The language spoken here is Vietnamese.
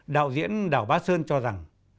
đạo diễn đảo ba sơn cho rằng